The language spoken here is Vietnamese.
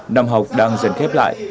năm học đang dần khép lại